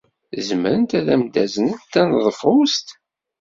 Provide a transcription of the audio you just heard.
Zemrent ad am-d-aznent taneḍfust?